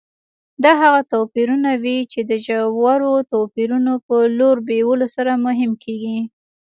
دا هغه توپیرونه وي چې د ژورو توپیرونو په لور بیولو سره مهم کېږي.